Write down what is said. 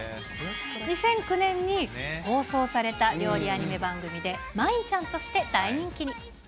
２００９年に放送された料理アニメ番組で、まいんちゃんとして大人気に。